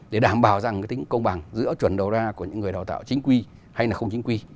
để đảm bảo rằng cái tính công bằng giữa chuẩn đầu ra của những người đào tạo chính quy hay là không chính quy